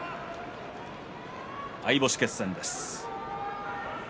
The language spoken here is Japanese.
相星決戦です。